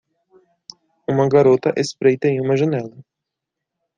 Uma garota espreita em uma janela.